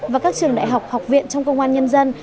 và các trường đại học học viện trong công an nhân dân